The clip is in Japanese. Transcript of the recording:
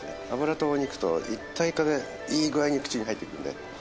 脂と肉と一体化でいい具合に口に入ってくるね。